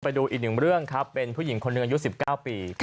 ไปดูอีกหนึ่งเรื่องครับเป็นผู้หญิงคนหนึ่งอายุ๑๙ปี